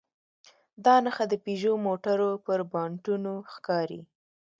دا نښه د پيژو موټرو پر بانټونو ښکاري.